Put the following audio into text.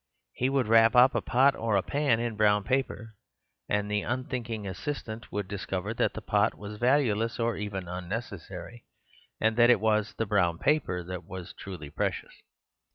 He would wrap up a pot or pan in brown paper; and the unthinking assistant would discover that the pot was valueless or even unnecessary, and that it was the brown paper that was truly precious.